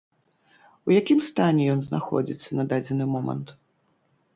У якім стане ён знаходзіцца на дадзены момант?